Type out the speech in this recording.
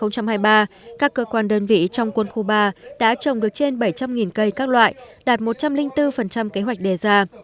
các cơ quan đơn vị trong quân khu ba đã trồng được trên bảy trăm linh cây các loại đạt một trăm linh bốn kế hoạch đề ra